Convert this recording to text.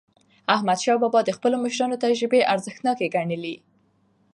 احمدشاه بابا د خپلو مشرانو تجربې ارزښتناکې ګڼلې.